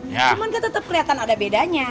cuman kan tetap kelihatan ada bedanya